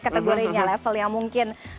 kategorinya level yang mungkin